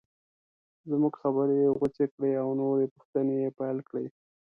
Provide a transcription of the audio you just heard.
زموږ خبرې یې غوڅې کړې او نورې پوښتنې یې پیل کړې.